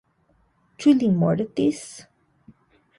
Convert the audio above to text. Ĉu li mortis?